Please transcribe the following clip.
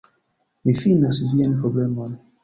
Mi finas vian problemon